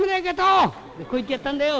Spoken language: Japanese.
こう言ってやったんだよ。